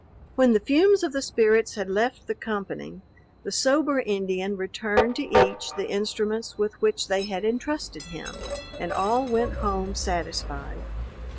When the fumes of the spirits had left the company, the sober Indian returned to each the instruments with which they had entrusted him, and all went home satisfied.